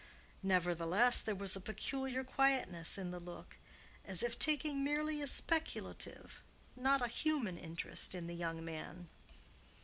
Nevertheless, there was a peculiar quietness in the look, as if taking merely a speculative, not a human interest, in the young man.